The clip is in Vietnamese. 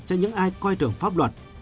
cho những ai coi thường pháp luật